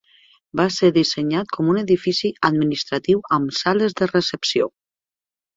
Va ser dissenyat com un edifici administratiu amb sales de recepció.